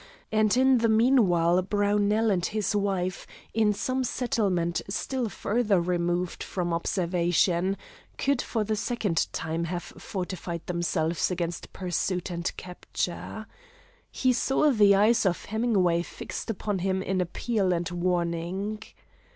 And in the meanwhile Brownell and his wife, in some settlement still further removed from observation, would for the second time have fortified themselves against pursuit and capture. He saw the eyes of Hemingway fixed upon him in appeal and warning.